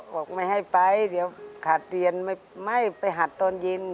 บอกไม่ให้ไปเดี๋ยวขาดเรียนไม่ไปหัดตอนเย็น